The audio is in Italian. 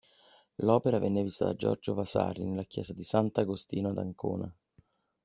L'opera venne vista da Giorgio Vasari nella chiesa di Sant'Agostino ad Ancona.